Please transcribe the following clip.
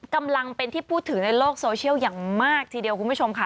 กำลังเป็นที่พูดถึงในโลกโซเชียลอย่างมากทีเดียวคุณผู้ชมค่ะ